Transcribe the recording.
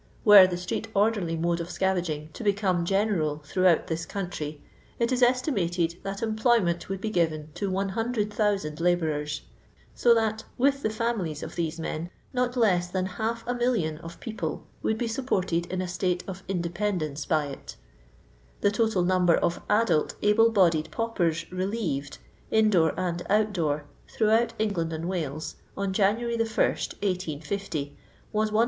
Were the st^ee^orderly mode of scavaging to become general throughout this country, it is estimated that employment would be given to 100,000 labourers, so that, with the families of these men, not less than half a million of people would be supported in a state of inde pendence by it The total number of adult able bodied paupers relieved — in door and out door — throughout England and Wales, on January 1, 1850, was 154,625.